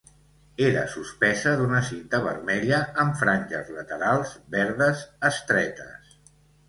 Era suspesa d'una cinta vermella amb franges laterals verdes estretes.